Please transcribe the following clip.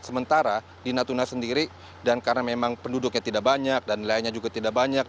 sementara di natuna sendiri dan karena memang penduduknya tidak banyak dan nelayannya juga tidak banyak